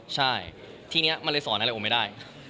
ใช่ทีนี้มันเลยสอนอะไรผมไม่ได้